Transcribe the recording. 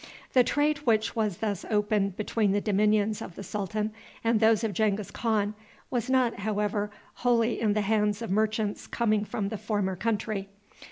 The trade which was thus opened between the dominions of the sultan and those of Genghis Khan was not, however, wholly in the hands of merchants coming from the former country.